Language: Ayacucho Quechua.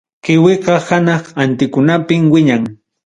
Kiwiqa, hanaq antikunapim wiñan.